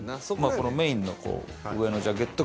このメインの上のジャケット。